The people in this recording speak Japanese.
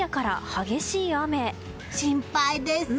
心配です。